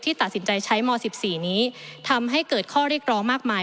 ตัดสินใจใช้ม๑๔นี้ทำให้เกิดข้อเรียกร้องมากมาย